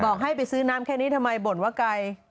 ให้ไปซื้อน้ำแค่นี้ทำไมบ่นว่าไกล